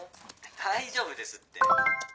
大丈夫ですって。